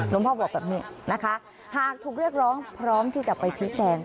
พ่อบอกแบบนี้นะคะหากถูกเรียกร้องพร้อมที่จะไปชี้แจง